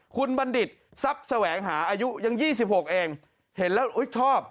คุณบัณฑิตทรัพย์แสวงหาอายุยัง๒๖เองเห็นแล้วชอบ